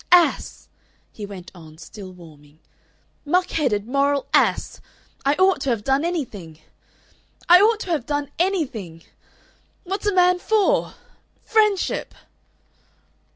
"Ass!" he went on, still warming. "Muck headed moral ass! I ought to have done anything. "I ought to have done anything! "What's a man for? "Friendship!"